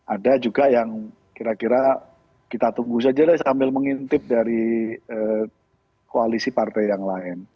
ada juga yang kira kira kita tunggu saja deh sambil mengintip dari koalisi partai yang lain